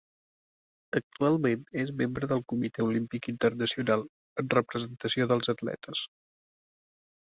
Actualment és membre el Comitè Olímpic Internacional en representació dels atletes.